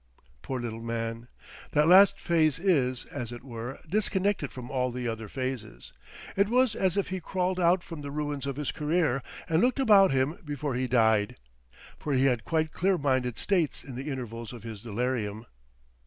Poor little man! that last phase is, as it were, disconnected from all the other phases. It was as if he crawled out from the ruins of his career, and looked about him before he died. For he had quite clear minded states in the intervals of his delirium.